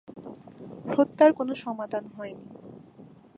হত্যার কোন সমাধান হয়নি।